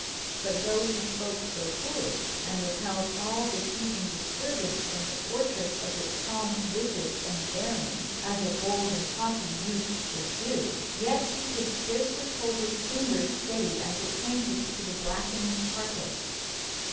But though he spoke so coolly, and repelled all besieging disturbance from the fortress of his calm visage and bearing, as a bold and haughty youth should do, yet he could scarcely hold his finger steady as it pointed to the blackened carcase.